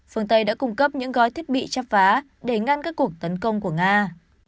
phương tây đã cung cấp những gói thiết bị chắp vá để ngăn các cuộc tấn công của nga